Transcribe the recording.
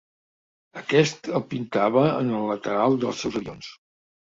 Aquest el pintava en el lateral dels seus avions.